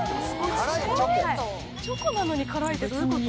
チョコなのに辛いってどういうこと？